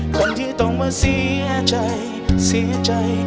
คนที่ต้องมาเสียใจเสียใจ